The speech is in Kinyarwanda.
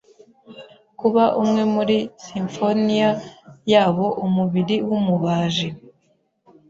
Kuba umwe muri simfoniya yabo Umubiri wumubaji